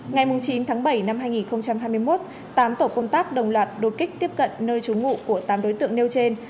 ngày chín tháng bảy năm hai nghìn hai mươi một tám tổ công tác đồng loạt đột kích tiếp cận nơi trú ngụ của tám đối tượng nêu trên